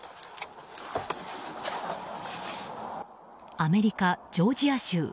アメリカ・ジョージア州。